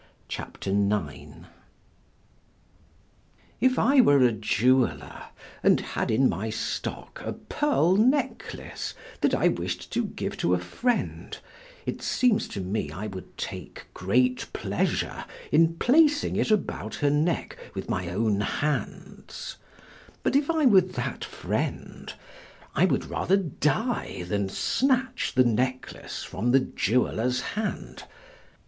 CHAPTER IX IF I were a jeweler, and had in my stock a pearl necklace that I wished to give a friend, it seems to me I would take great pleasure in placing it about her neck with my own hands; but if I were that friend, I would rather die than snatch the necklace from the jeweler's hand.